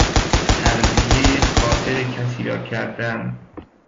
ترضیه خاطر کسی را کردن